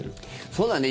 そうだね。